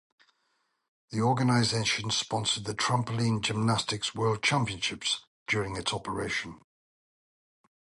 The organization sponsored the Trampoline Gymnastics World Championships during its operation.